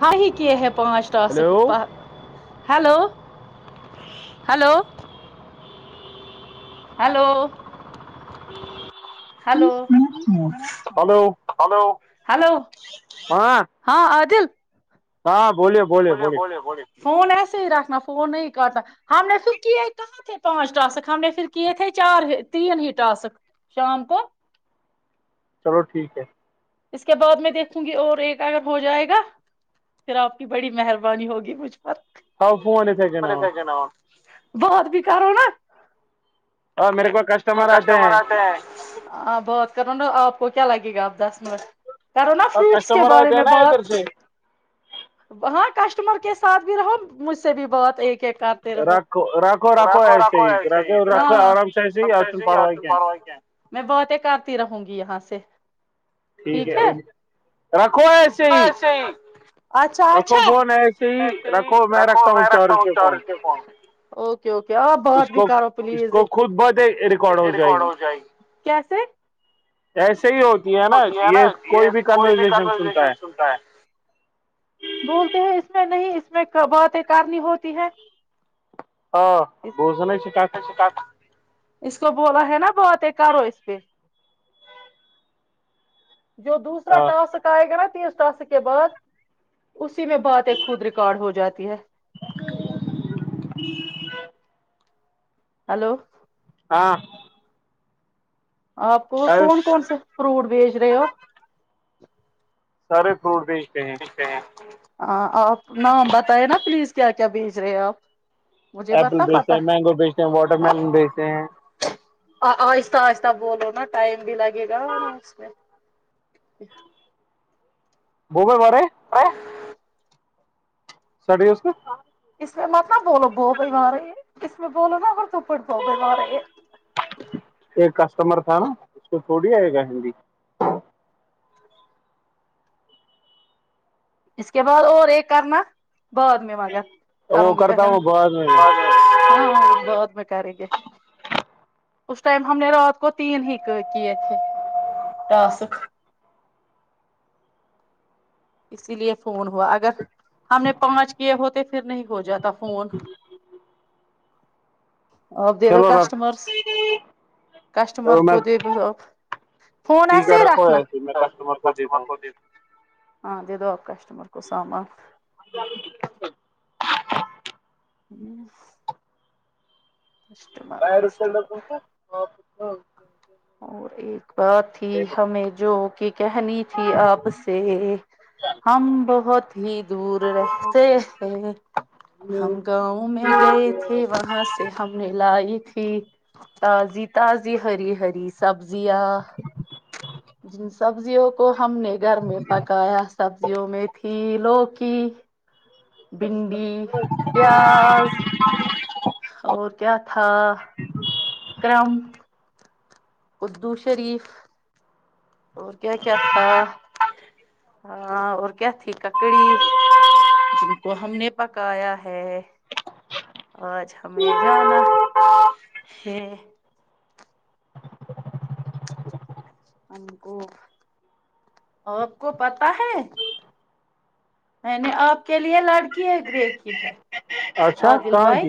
ہاں ہی کیے ہیں پانچ task hello hello hello hello hello ہاں آادل ہاں بولیے بولیے بولیے فون ہے ہی رکھنا فون نہیں کرنا ہم نے پھر کیے کہاں تھے پانچ ٹاسک ہم نے پھر کیے تھے چار ہی تین ہی ٹسک شام کو چلو ٹھیک ہے اس کے بعد میں دیکھوں گی اور ایک اگر ہو جائے گا پھر آپ کی بڑی مہربانی ہوگی مجھ پر تھاب فون ات کنا ہم بات بھی کرو نا کسٹمر آتے ہیں ہاں بہت کر آپ کو کیا لگے گا آپ دس منٹ کرونا فروٹس کے بارے میں بات وہاں کسٹمر کے ساتھ بھی رہو مجھ سے بھی بات ایک رکھو رکھو رکھو ایسے رکھو رکھو آرام سے ایسے میں باتیں کرتی رہوں گی یہاں سے ٹھیک ہے وسے اچھا اچھاے ہی رکھو میں رکھتا ہوں چج کے فون اوکے اوکے اس کو اس کو خود بہت ایک ریکارڈ ہو جائے گی کیسے اییس صحیح ہوتی ہے نا یہ کوئی بھی کنورزیشن سنتا ہے بولتے ہیں اس میں نہیں اس میں باتیں کارنی ہوتی ہے ہاں بوزنا سے کاٹ اس کو بولا ہے نا باتیں کرو اس پہ جو دوسرا ٹاسک آئے گا نا استااس کے بعد اسی میں باتیں خود ریکارڈ ہو جاتی ہے السلام علیکم محترم ہلو ہاں آپ کو کون کون سے فروٹ بیچ رہے ہو سارے فروٹ بھی اچھ آ آپ نام بتائائے نا پلیز کیا کیا بھیج رہے ہیں آپ ایپل بیچتے ہیں مینگو بیچتے ہیں واٹر ملن بیچتے ہیں آ آہستہ آہستہ بولو نا ٹائم بھی لگے گا ن نا اس میں بوب ب ا سٹ اس ن اس میں مطلب بولو بو بئی مارے ہے اس میں بولو نا اور دوپٹ بو بئی مارے ہے کسٹمر تھا نا اس کو تھوڑی آئے گا ہندی اس کے بعد اور ایک کرنا بعد میں مگر کروں گی پہلے میں ہاں بعد میں کریں گے اس ٹائم ہم نے رات کو تین ہی کیے تھے ٹاسک اسی لیے فون ہوا اگر ہم نے پانچ کیے ہوتے پھر نہیں ہو جاتا فون آپ دے دو کسٹمرس کسٹمر کو د ب آپ فون آ ہی رکھنا ہاں د دو آکاش مر کو سامان [inaudible] باہر اتر لگوں کو اور ایک ب تھی ہمیں جو کہ کہنی تھی آپ سے ہم بہت ہی دور رہتے ہیں ہم گاؤں میں گئے تھے وہاں سے ملائی تھی تازی تازی ہری ہری سبزیاں جن سبزیوں کو ہم نے گھر میں پکایا سبزیوں میں تھی لوگ کی بھنڈی پیاز اور کیا ہاں کررم اردو شریف اور کیا کیا تھا ہاں اور کیا تھی ککڑی جن کو ہم نے پکایا ہے آج ہمیں جانا [unintelligible] ہم کو آپ کو پتا ہے میں نے آپ کے لیے لڑکی ہے گر کی ہے آادل بھائی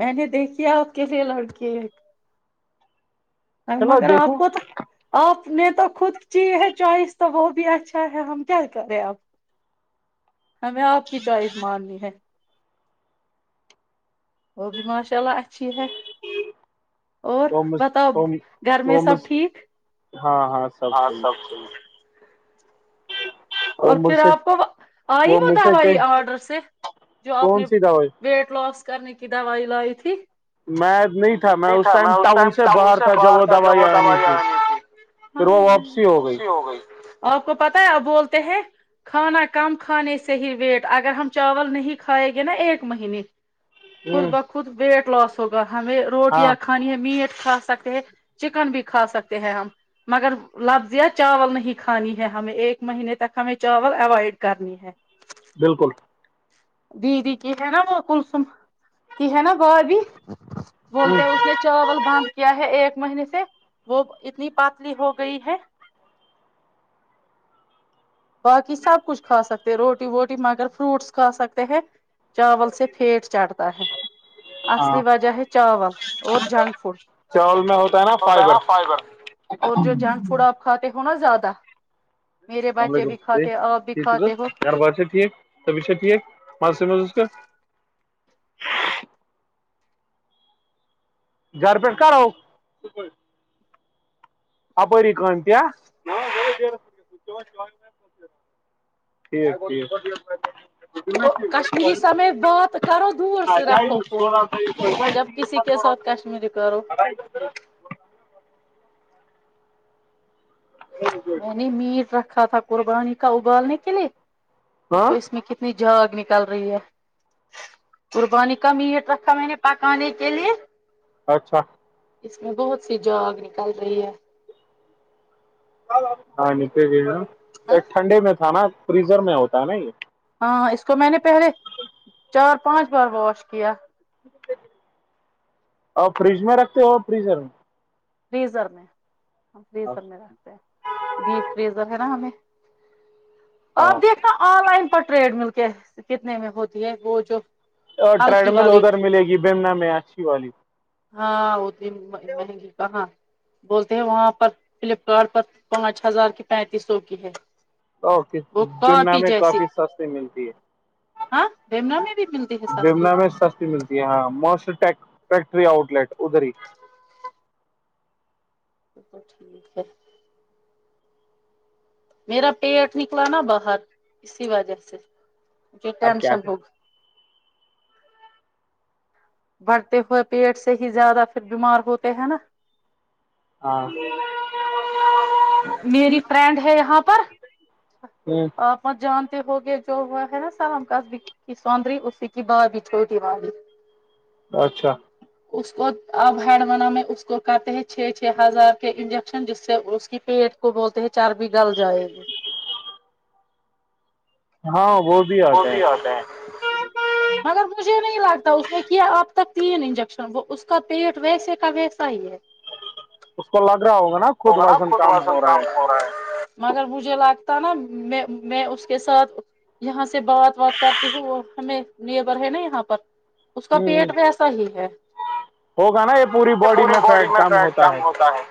میں نے دیکھیا آپ کے لیے لڑکی ایک مگر آپ کو تو آپ میں تو خود چاہیے ہے چوائس تو وہ بھی اچھا ہے ہم کیا کرے اب ہمیں آپ کی چوائس ماننی ہے وہ بھی ماشاء اللہ اچھی ہے اور بتاؤ گھر میں سب ٹھیک ہاں سبٹھیک اور پھر آپ کو آئی وہ دوائی آرڈر سے جو آپ نے ویٹ لاس کرنے کی دوائی لائی تھی میں نہیں تھا میں اس ٹائم ٹاؤن سے باہر تھا جب وہ دوائی آنی تھی پھر وہ واپسی ہو گئی آپ کو پتا ہے آپ بول ہے کھانا کم کھانے سے ہی ویٹ اگر ہم چاول نہیں کھائےیں گے نا ایک مہینے خود بخوود ویٹ لاس [unintelligible] ہمیں روٹیاں کھانی ہے میٹ کھا سکتے ہیں چکن بھی کھا سکتے ہیں ہم مگر لفظ چاول نہیں کھانی ہے ہمیں ایک مہینے تو تھ ہمیں چاول اوائڈ کرنی ہے بالکل دیدی کہ ہے نا وہ کلسم کہ ہے نا با بھی بولتے ہیں اس نے چاول بانند کیا ہے ایک مہینے سے وہ اتنی پتلی ہو گئی ہے باقی سب کچھ کھا سکتے روٹی ووٹی مگر فروٹس کھا سکتے ہے چاول سے پھیٹ چھتا ہے اصلی وجہہ ہے چاول اور جنک فوڈ [inaudible] ہوتا ہے نا فائبر اور جو جنک فوڈ آپ کھاتے ہیں تھونا زیادہ اللام علیکم یار باتا ٹھیک سبھیا ٹھیک مع کا گھر پیٹ کر آؤ اپری ک کیا ٹھیک تو کشمیری سمیت بات کرو دور سے رکھو فون جب کسی کے ساتھ کشمیری کرو میں نہیں میٹ رکھ رکھا تھا قربانی کا ابالنے کے لیے دیکھو اس میں کتنی جاگ نکل رہی ہے قربانی کمیٹ میں نے پکانے کے لیے اچھا اس میں بہت سی جاگ نکل رہی ہے ہاں نت بھی ایک ٹھنڈے میں تھا نا فریزر میں ہوتا ہے نا یہ ہاں اس کو میں نے پہلے چار پانچ بار واش کیا اور فریج میں رکھتے ہو فریزر میں فریزر میں فریزر میں رکھتے ہیں بی فریزر ہے نا ہمیں آپ دیکھنا آن لائن پر ٹریڈ مل کیا کتنے میں ہوتی ہے وہ جو اور ٹریڈمل ادھر ملے گی بیمنا میں اچھی والی ہاں وہ مہنگی کہاں بولتے ہیں وہاں پر فلپکارٹ پر اوکے بمنا میں کافی سستی ملتی ہے بمنا میں سستی ملتی ہے ہاں موسٹ فیکٹری آؤٹ لیٹ ادری [inaudible] ا تو ٹھیک ہے [unintelligible] میرا پیٹ نکلا نا باہر اسی وجہ سے جٹم سم ہوگ بڑھتے ہوئے پیٹ سے ہی زیادہ پھر بیمار ہوتے ہیں نا میری فرینڈ ہے یہاں پر آپ مت جان ہوگیا جو وہ ہے نا سلام قصبی کی سندری اسی کی با بھی چھوٹی والی اچھا اس کو اب ہڈونا میں اس کو کہتے ہیں چھ چھ ہزار کے انجیکشن جس سے اس کی پیٹ کو بولتے ہیں چربی گل جائے گی ہاں وہ بھی ہوتا ہے مگر مجھے نہیں لگتا اس نے کیا اب تک تین انجیکشن وہ اس کا پیٹ ویسے کا ویسا ہی ہے اس کو لاگ ہوگا نا خود وسن کام ہو رہا ہے مگر مجھے لگتا ہے نا میں میں اس کے ساتھ یہاں سے بات وات کرتی ہوں وہ ہمیں نیبر ہے نا یہاں پر اس کا پیٹ بھی ایسا ہی ہے پوری باڈی میں فٹ کم ہوتا ہے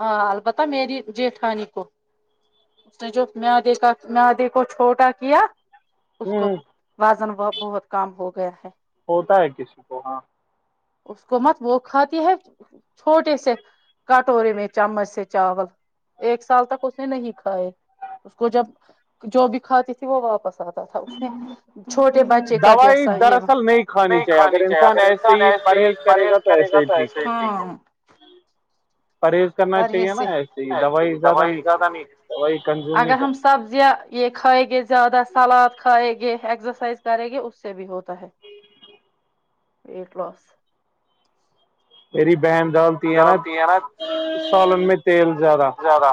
ہاں البتہ میری جیٹھانی کو اس نے جو مدے کا مدے کو چھوٹا کیا اس کو وازن وا بہت کام ہو گیا ہے ہوتا ہے کسی کو ہاں اس کو مت وہ کھاتی ہے چھوٹے سے کٹورے میں چمچ سے چاول ایک سال تک اس نے نہیں کھائے اس کو جب جو بھی کھاتی تھی وہ واپس آتی اس چھوٹے بچے کا جیسا یہ نہیں کھانی چاہیے اگر انسان ایسے ہی پرہیز کرے گا تو ایسے ہی پریز سے اگر ہم سبزیاں یہ کھائے گے زیادہ سلاد کھائےیں گے ایکسرسائز کریں گے اس سے بھی ہوتا ہے ویٹ لاس پیری بہن ڈالتی ہے نا سالن میں تیل زیادہ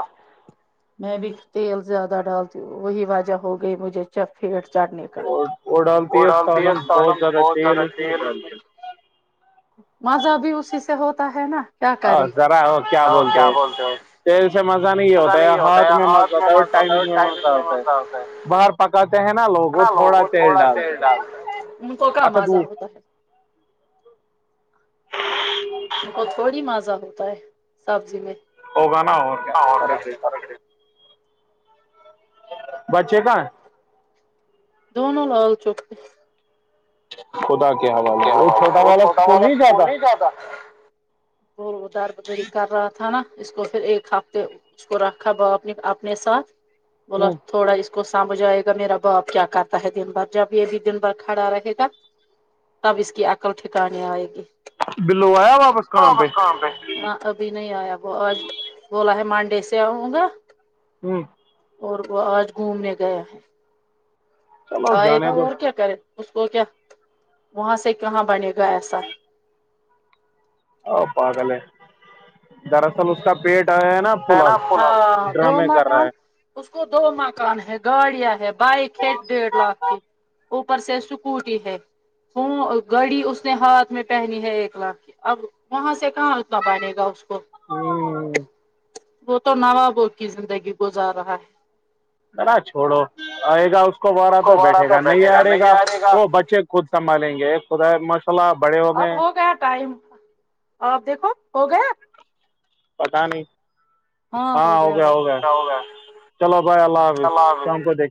میں بھی تیل زیادہ ڈالتی ہوں وہی واجہ ہو گئی مجھے چپیٹ چاٹنی کا وہ ڈالتی ہے سالن بہت زیادہ تیل مذہ اب اسی سے ہوتا ہے نا ا ذرا ہو کیا بولتے ہو تیل سے مزہ نہیں ہوتا ہے ہاتھ میں مزہ ہوتا ہے اور ٹائمنگ میں مزہ ہوتا ہے باہر پکات لوگوں تھوڑا تیل ڈال ان کو کا مزہ ہوتا ہے م کو تھوڑی مزہ ہوتی سبزی میں ہوگ نا ہو کیا بچے کااں کونا لال چوک خدا والا وہ چھوٹا والاکول نہیں جاتا ب در بدری کر رہا تھا نا اس کو پھر ایک ہفتے اس کو رکھا باپ نے اپنے ساتھ بولا تھوڑا اس کو سامبھ جائے گا میرا باپ کیا کرتا ہے دن بھر جب یہ بھی دن بھر کھڑا رہے گ تب اس کی عقل ٹھکانی آئے گی ابھی نہیں آیا وہ آج بولا ہے مانڈی پسے آؤں گا ہوں [unintelligible] اور وہ آج گھومنے گیا ہے [unintelligible] ا یہ تو مور کیا کرے اس کو کیا وہاں سے کہاں بنے گا ایسا [unintelligible] دراصل اس کا پیٹ [unintelligible] ہے نا دو مکان اس دو مکان ہے گاڑیاں ہے [unintelligible] بائیک ہچ ڈیڑھ لاکھ کی [unintelligible] اوپر سے اسکوٹی ہے گاڑی اس نے ہاتھ میں پہنی ہے ایک لاکھ اب وہاں سے کہاں اتنا بنے گا اس کو [unintelligible] ہوں [unintelligible] وہ تو نوابوں کی زندگی گزار رہا ہے بر چوڑو ا گاؤ کو و رہا تو بیٹھے گا نہیں آارے گا وہ بچے خود سنبھالیں گے خدا مش [unintelligible] اب ہو گیا ٹائم اب دیکھو ہو گیا [unintelligible] پتا نہیں [unintelligible] ہاں ہو گیا ہو گیا چلو بھائی اللہ حافظ شام کو دیکھ